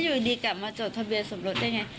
อยู่ดีกลับมาจดทะเบียนสมรสได้ไง